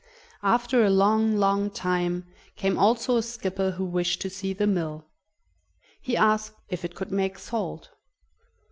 After a long, long time came also a skipper who wished to see the mill. He asked if it could make salt.